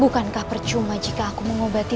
bukankah percuma jika aku mengobati